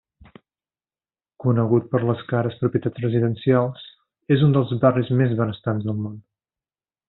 Conegut per les cares propietats residencials, és un dels barris més benestants del món.